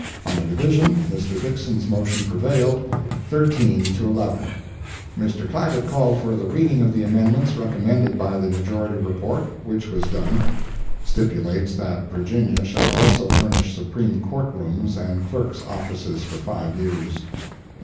On a division, Mr. Dixson's motion prevailed—13 to 11. Mr. Clagett called for the reading of the amendments recommended by the majority report, which was done. [Stipulates that Virginia shall also furnish Supreme Court rooms and Clerk's offices for five years.